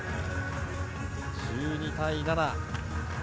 １２対７。